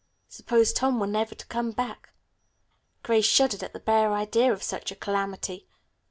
Suppose Tom were never to come back. Grace shuddered at the bare idea of such a calamity.